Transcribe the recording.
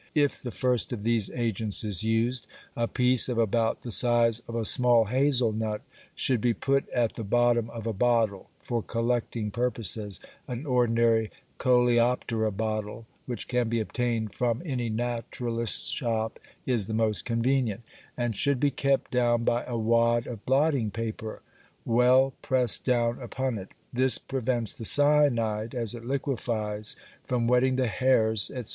If the first of these agents is used, a piece of about the size of a small hazel nut should be put at the bottom of a bottle (for collecting purposes, an ordinary "Coleoptera bottle", which can be obtained from any naturalist's shop, is the most convenient) and should be kept down by a wad of blotting paper, well pressed down upon it; this prevents the cyanide, as it liquifies, from wetting the hairs, etc.